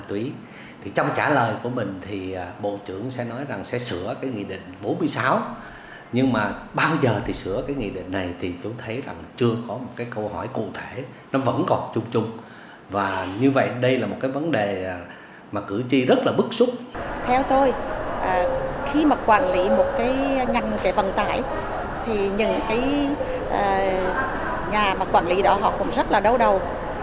theo tôi khi mà quản lý một cái ngành cái vận tải thì những cái nhà mà quản lý đó họ cũng rất là đau đầu